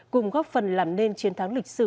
cùng góp phần làm nên chiến thắng lịch sử